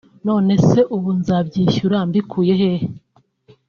nonese ubu nzabyishyura mbikuye hehe